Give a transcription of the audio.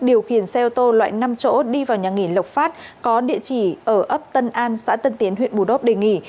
điều khiển xe ô tô loại năm chỗ đi vào nhà nghỉ